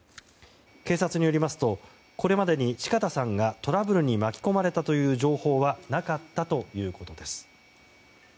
警察によりますとこれまでに四方さんがトラブルに巻き込まれたという情報はなかったということです。